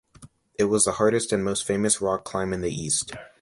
It was the hardest and most famous rock climb in the East.